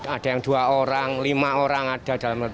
ada yang dua orang lima orang ada dalam